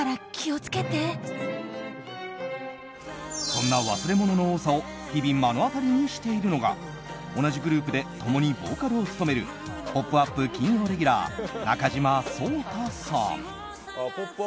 そんな忘れ物の多さを日々、目の当たりにしているのが同じグループで共にボーカルを務める「ポップＵＰ！」金曜レギュラー中島颯太さん。